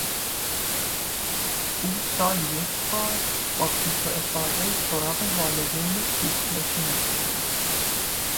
او سالی یک بار با فیس و افاده سراغ والدین کوخ نشینش میرفت.